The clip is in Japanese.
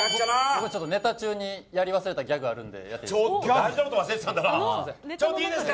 ネタ中にやり忘れたギャグあるんでやっていいですか。